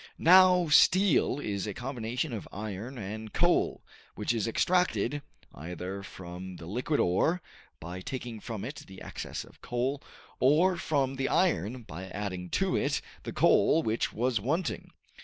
Now steel is a combination of iron and coal, which is extracted, either from the liquid ore, by taking from it the excess of coal, or from the iron by adding to it the coal which was wanting.